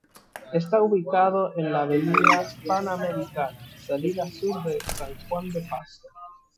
Está ubicado en la Avenida Panamericana, salida sur de San Juan de Pasto.